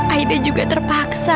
aida juga terpaksa